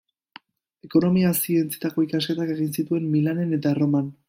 Ekonomia-zientzietako ikasketak egin zituen Milanen eta Erroman.